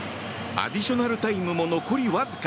アディショナルタイムも残りわずか。